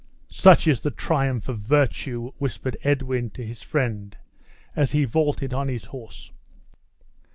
"Such is the triumph of virtue!" whispered Edwin to his friend, as he vaulted on his horse.